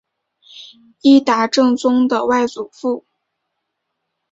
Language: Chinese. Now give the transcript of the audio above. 伊达政宗的外祖父。